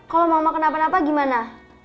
kalau mama kenapa napa gimana